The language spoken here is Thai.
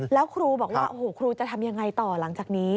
แล้วครูบอกว่าครูจะทำอย่างไรต่อหลังจากนี้